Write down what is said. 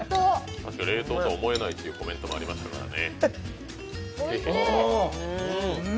確かに冷凍とは思えないというコメントもありましたからね。